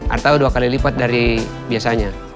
atau dua kali lipat dari biasanya